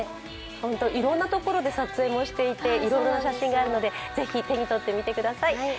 いろんなところで撮影をしていていろんな写真があるので、ぜひ手に取ってみてください。